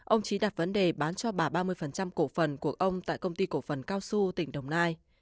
ông trí đặt vấn đề bán cho bà ba mươi cổ phần của ông tại công ty cổ phần cao su tỉnh đồng nai